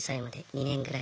２年ぐらい。